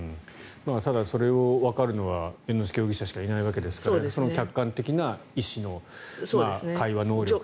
ただ、それをわかるのは猿之助容疑者しかいないわけですからねその客観的な意思の会話能力とか。